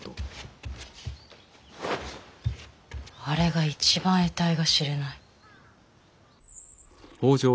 あれが一番えたいが知れない。